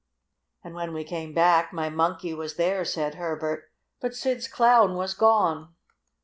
"And when we came back my Monkey was there," said Herbert, "but Sid's Clown was gone."